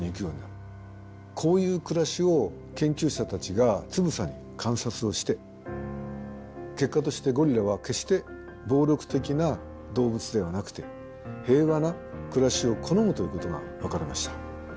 こういう暮らしを研究者たちがつぶさに観察をして結果としてゴリラは決して暴力的な動物ではなくて平和な暮らしを好むということが分かりました。